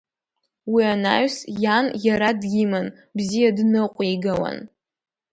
Уи анаҩс иан иара диман, бзиа дныҟәигауан.